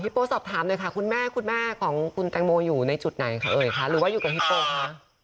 อ๋อฮิโปสอบถามเลยค่ะคุณแม่ของคุณแตงโมอยู่ในจุดไหนค่ะเอ่ยหรือว่าอยู่กับฮิโปคะ